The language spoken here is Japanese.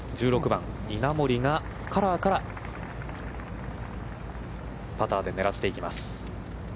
１６番、稲森がカラーからパターで狙っていきます。